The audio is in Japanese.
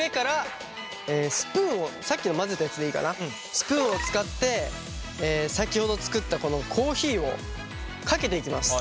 スプーンを使って先ほど作ったこのコーヒーをかけていきます。